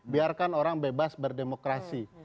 biarkan orang bebas berdemokrasi